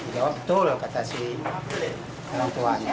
jawab betul kata si orang tuanya